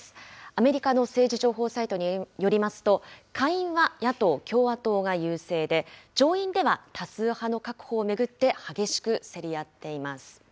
アメリカの政治情報サイトによりますと、下院は野党・共和党が優勢で、上院では多数派の確保を巡って激しく競り合っています。